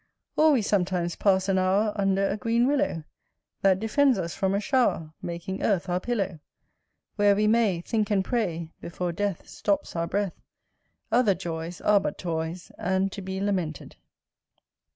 Or we sometimes pass an hour Under a green willow, That defends us from a shower, Making earth our pillow; Where we may Think and pray Before death Stops our breath. Other joys Are but toys, And to be lamented.